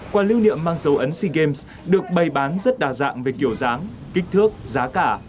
quà lưu niệm mang dấu ấn sea games được bày bán rất đa dạng về kiểu dáng kích thước giá cả